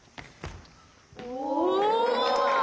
お！